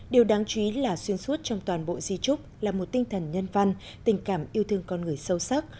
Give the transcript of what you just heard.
điều đáng chú ý là xuyên suốt trong toàn bộ di trúc là một tinh thần nhân văn tình cảm yêu thương con người sâu sắc